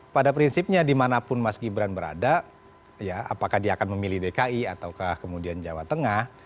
pada prinsipnya dimanapun mas gibran berada apakah dia akan memilih dki ataukah kemudian jawa tengah